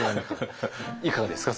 いかがですか？